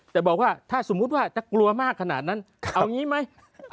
แต่บอกว่าถ้าสมมุติว่าจะกลัวมากขนาดนั้นเอาอย่างนี้ไหม